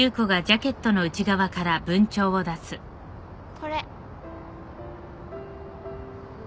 これ。